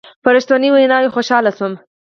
په رښتنوني ویناوو خوشحاله شوم.